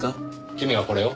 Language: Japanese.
君がこれを？